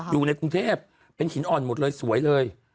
อยู่ในกรุงเทพเป็นหินอ่อนหมดเลยสวยเลย